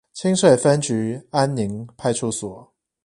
清水分局安寧派出所